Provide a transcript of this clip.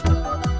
ke rumah emak